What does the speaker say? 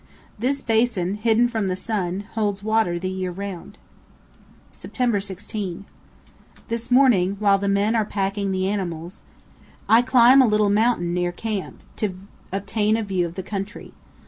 This basin, hidden from the sun, holds water the year round. September 16. This morning, while the men are packing the animals, I climb a little mountain near camp, to obtain a view of the country.